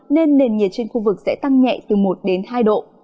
nên nền nhiệt trên khu vực sẽ tăng nhẹ từ một đến hai độ